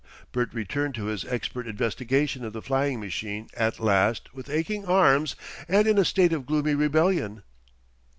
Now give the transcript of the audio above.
Bert returned to his expert investigation of the flying machine at last with aching arms and in a state of gloomy rebellion.